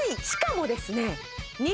しかもですね